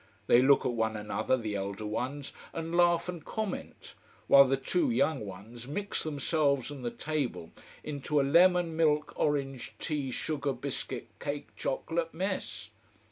They look at one another, the elder ones, and laugh and comment, while the two young ones mix themselves and the table into a lemon milk orange tea sugar biscuit cake chocolate mess.